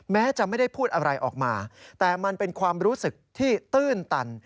แม้จะไม่ได้พูดอะไรออกมาแต่มันเป็นความรู้สึกที่ตื้นตัน